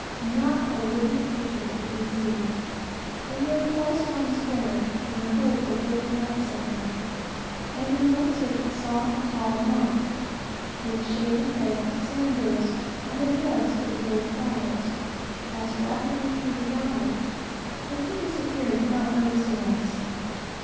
Not a living creature could we see. We rode twice round the square, in the hope of waking up some one; and in one circuit, saw a tall monk, with shaven head, sandals, and the dress of the Grey Friars, pass rapidly through a gallery, but he disappeared without noticing us.